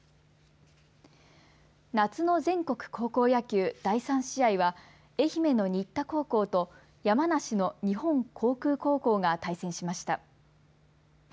夏の全国高校野球、第３試合は愛媛の新田高校と山梨の日本航空高校が対戦しました。